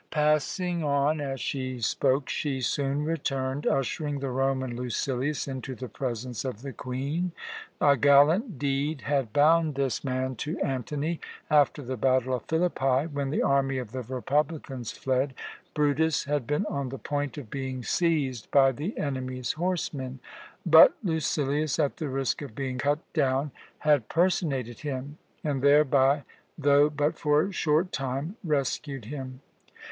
Passing on as she spoke, she soon returned, ushering the Roman Lucilius into the presence of the Queen. A gallant deed had bound this man to Antony. After the battle of Philippi, when the army of the republicans fled, Brutus had been on the point of being seized by the enemy's horsemen; but Lucilius, at the risk of being cut down, had personated him, and thereby, though but for a short time, rescued him.